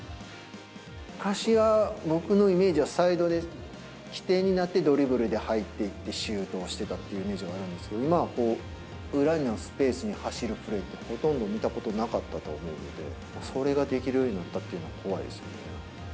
昔は、僕のイメージは、サイドで起点になって、ドリブルで入っていって、シュートをしてたっていうイメージがあるんですけど、今は裏のスペースに走るプレーってほとんど見たことなかったと思うんで、それができるようになったっていうのは怖いですね。